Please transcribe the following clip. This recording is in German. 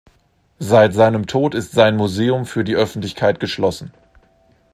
Seit seinem Tod ist sein Museum für die Öffentlichkeit geschlossen.